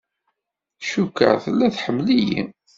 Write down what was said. Cukkeɣ tella tḥemmel-iyi.